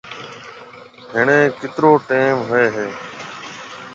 هڻيَ ڪيترو ٽيم هوئي هيَ؟